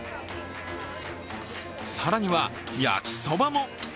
更には焼きそばも。